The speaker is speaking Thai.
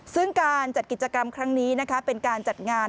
ซึ่งการจัดกิจกรรมครั้งนี้เป็นการจัดงาน